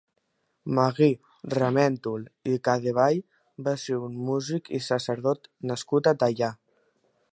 Magí Raméntol i Cadevall va ser un músic i sacerdot nascut a Teià.